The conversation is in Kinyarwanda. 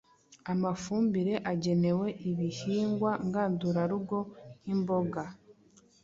Amafumbire agenewe ibihingwa ngandurarugo nk’imboga,